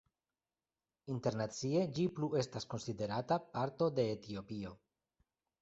Internacie ĝi plu estas konsiderata parto de Etiopio.